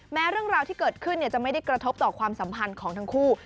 เรื่องราวที่เกิดขึ้นจะไม่ได้กระทบต่อความสัมพันธ์ของทั้งคู่